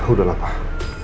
udah lah pak